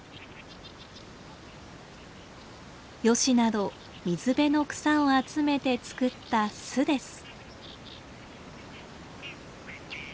ヨシなど水辺の草を集めて作った巣です。